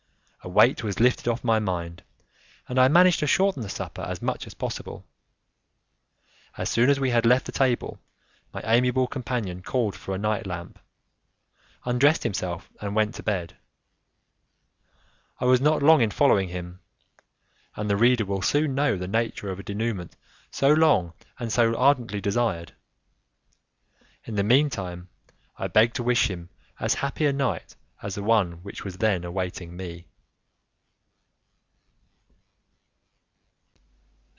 A weight was lifted off my mind, and I managed to shorten the supper as much as possible. As soon as we had left the table, my amiable companion called for a night lamp, undressed himself, and went to bed. I was not long in following him, and the reader will soon know the nature of a denouement so long and so ardently desired; in the mean time I beg to wish him as happy a night as the one which was then awaiting me.